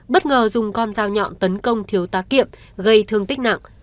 bất ngờ dùng con dao nhọn tấn công thiếu tá kiệm gây thương tích nặng